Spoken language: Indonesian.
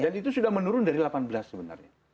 dan itu sudah menurun dari delapan belas sebenarnya